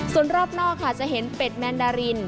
ส่วนรอบนอกค่ะจะเห็นเป็ดแมนดาริน